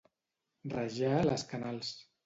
Rajar les canals.